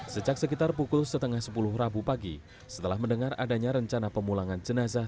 sejak sekitar pukul setengah sepuluh rabu pagi setelah mendengar adanya rencana pemulangan jenazah